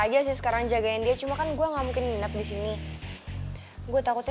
aja sih sekarang jagain dia cuma kan gua nggak mungkin nginep di sini gue takutnya